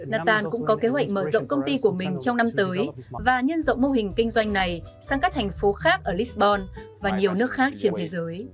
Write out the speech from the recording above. nathan cũng có kế hoạch mở rộng công ty của mình trong năm tới và nhân rộng mô hình kinh doanh này sang các thành phố khác ở lisbon và nhiều nước khác trên thế giới